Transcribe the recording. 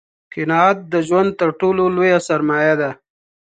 قناعت دژوند تر ټولو لویه سرمایه ده